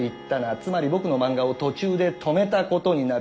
つまり僕の漫画を途中で止めたことになる。